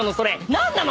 何なの？